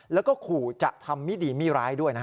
แล้วก็ขู่จะทำไม่ดีไม่ร้ายด้วยนะฮะ